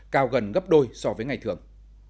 cao gần gấp đôi so với ngày thường